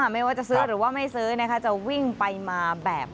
ไม่ว่าจะซื้อหรือว่าไม่ซื้อนะคะจะวิ่งไปมาแบบ